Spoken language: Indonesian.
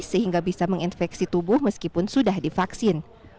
sehingga bisa menginfeksi tubuh meskipun sudah divaksin